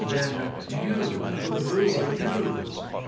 "Then you? Who are you?"